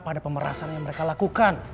pada pemerasan yang mereka lakukan